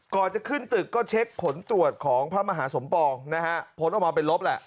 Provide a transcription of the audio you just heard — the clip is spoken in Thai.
ก่อนจะขึ้นตึกก็เช็คผลตรวจของพระมหาสมปองนะฮะผลออกมาเป็นลบแหละ